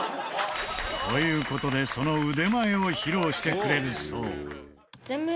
という事でその腕前を披露してくれるそう